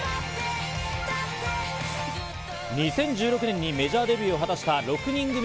２０１６年にメジャーデビューを果たした６人組